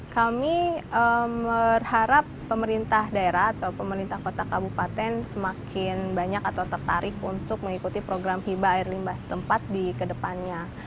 kami berharap pemerintah daerah atau pemerintah kota kabupaten semakin banyak atau tertarik untuk mengikuti program hiba air limbah setempat di kedepannya